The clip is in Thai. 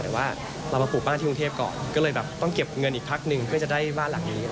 แต่ว่าเรามาปลูกบ้านที่กรุงเทพก่อนก็เลยแบบต้องเก็บเงินอีกพักหนึ่งเพื่อจะได้บ้านหลังนี้